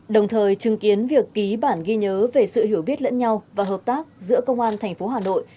đồng thời chứng kiến việc ký bản ghi nhớ về sự hiểu biết lẫn nhau và hợp tác giữa công an tp hà nội